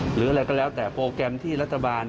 หรืออะไรก็แล้วแต่โปรแกรมที่รัฐบาล